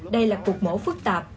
đây là cuộc mổ phức tạp